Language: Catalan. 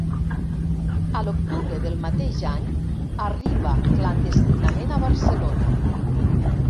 A l'octubre del mateix any, arriba clandestinament a Barcelona.